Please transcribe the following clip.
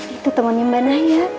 itu temennya mbak naya